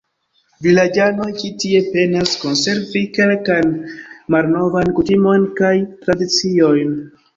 Vilaĝanoj ĉi tie penas konservi kelkajn malnovajn kutimojn kaj tradiciojn.